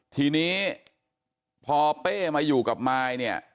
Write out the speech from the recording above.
ทีนี้พอเป้มาอยู่กับมายเนี่ย